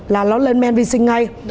là nó lên men vi sinh ngay